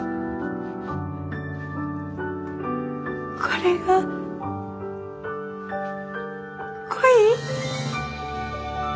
これが恋？